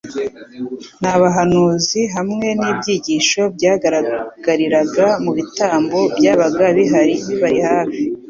n'abahanuzi hamwe n'ibyigisho byagaragariraga mu bitambo byabaga bibari hafi.